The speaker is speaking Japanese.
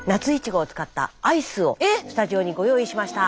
スタジオにご用意しました。